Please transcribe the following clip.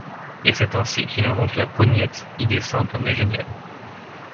Et c'est ainsi qu'il invente la poignette, idée simple mais géniale...